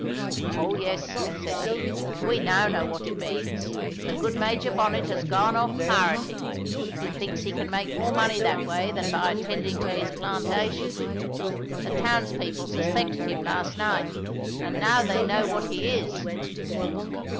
"Oh, yes," said he, "we know now what it means. The good Major Bonnet has gone off pirating; he thinks he can make more money that way than by attending to his plantation. The townspeople suspected him last night, and now they know what he is."